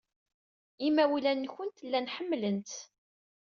Imawlan-nwent llan ḥemmlen-tt.